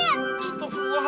ah jangan lihat jangan lihat